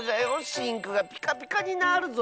シンクがピカピカになるぞ。